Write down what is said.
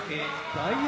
・大栄